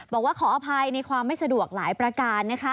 บอกว่าขออภัยในความไม่สะดวกหลายประการนะคะ